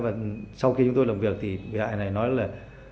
và sau khi chúng tôi làm việc thì bị hại này nói là